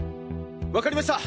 分かりました！